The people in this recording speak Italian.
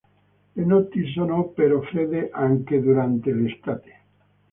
Le notti sono però fredde anche durante l'estate.